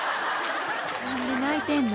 「何で泣いてんの？」